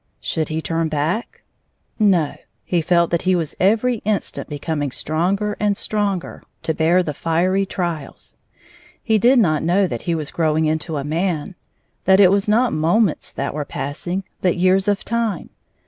Should he turn back 1 No. He felt that he was every instant becoming stronger and stronger to bear the fiery trials. He did not know that he was growing into a man ; that it was not moments that were passing, but years of time.